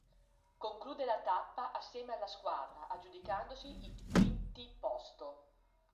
Conclude la tappa assieme alla squadra aggiudicandosi il quinti posto.